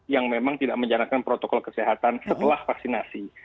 yang memang tidak menjalankan protokol kesehatan setelah vaksinasi